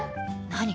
何？